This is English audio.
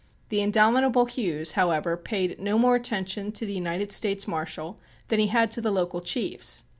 The indomitable Hughes, however, paid no more attention to the United States Marshal than he had to the local chiefs.